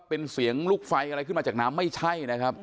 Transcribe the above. เป็นเสียงลูกไฟอะไรขึ้นมาจากน้ำไม่ใช่นะครับ